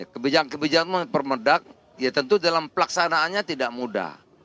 kebijakan kebijakan mempermedak ya tentu dalam pelaksanaannya tidak mudah